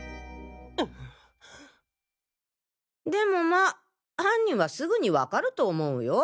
でもまぁ犯人はすぐにわかると思うよ。